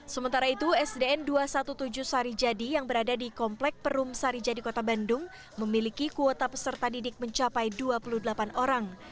sementara itu sdn dua ratus tujuh belas sarijadi yang berada di komplek perum sarijadi kota bandung memiliki kuota peserta didik mencapai dua puluh delapan orang